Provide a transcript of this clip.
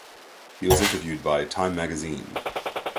He was interviewed by "Time Magazine".